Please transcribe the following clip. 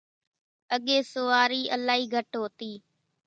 اڳيَ سوارِي الائِي گھٽ هوتِي۔